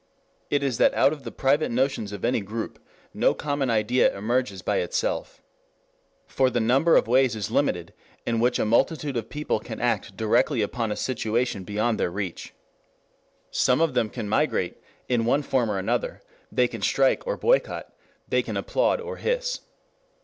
It is that out of the private notions of any group no common idea emerges by itself. For the number of ways is limited in which a multitude of people can act directly upon a situation beyond their reach. Some of them can migrate, in one form or another, they can strike or boycott, they can applaud or hiss.